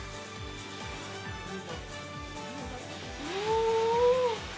うん。